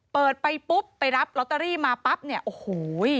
เปิดไปปุ๊บไปรับลอตเตอรี่มาปั๊บเนี่ยโอ้โห